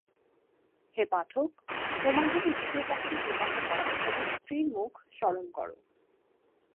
হে পাঠক, তোমার যদি দ্বিতীয় পক্ষের বিবাহ হয় তবে স্ত্রীর মুখ স্মরণ করো।